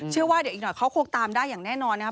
เชื่อว่าเดี๋ยวอีกหน่อยเขาคงตามได้อย่างแน่นอนนะครับ